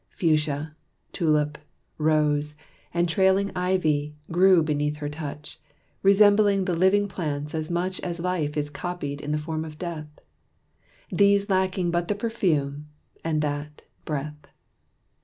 Fuchsia, tulip, rose, And trailing ivy, grew beneath her touch, Resembling the living plants as much As life is copied in the form of death: These lacking but the perfume, and that, breath.